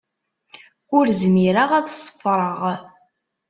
Ur zmireɣ ad ṣeffreɣ.